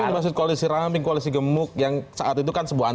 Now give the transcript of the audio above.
tapi maksud koalisi ranam koalisi gemuk yang saat itu kan sebuah aneh